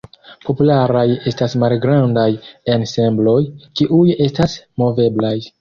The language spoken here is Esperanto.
Popularaj estas malgrandaj ensembloj, kiuj estas moveblaj.